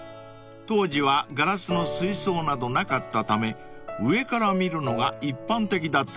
［当時はガラスの水槽などなかったため上から見るのが一般的だったんだそうです］